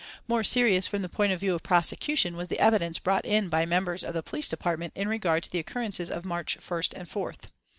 More serious from the point of view of prosecution was the evidence brought in by members of the police department in regard to the occurrences of March 1st and 4th.